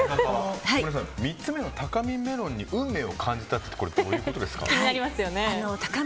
３つ目のタカミメロンに運命を感じたってどういうことですか？